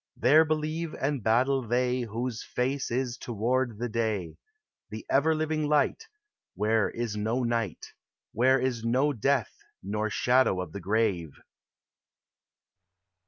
There believe and battle they AVI lose face is toward the day, T I Tie ever living light, Where is no night, Where is no death nor shadow of the grave."